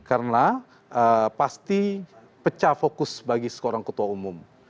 karena pasti pecah fokus bagi seorang ketua umum